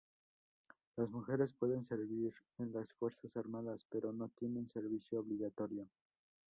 Las mujeres pueden servir en las Fuerzas Armadas, pero no tienen servicio obligatorio.